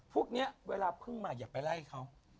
พวกนี้เวลาพึ่งมาอย่าไปไล่เขา